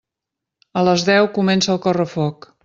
A les deu comença el correfoc.